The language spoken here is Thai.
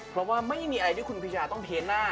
เพราะว่าไม่มีอะไรที่คุณพิชาต้องเทหน้า